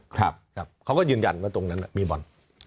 เขาก็ยืนยันว่าตรงนั้นมีบ่อน